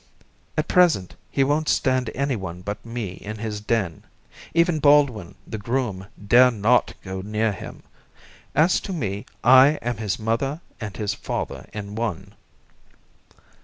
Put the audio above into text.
At present he won't stand anyone but me in his den. Even Baldwin, the groom, dare not go near him. As to me, I am his mother and father in one."